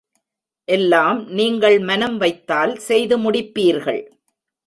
எல்லாம் நீங்கள் மனம் வைத்தால் செய்து முடிப்பீர்கள்.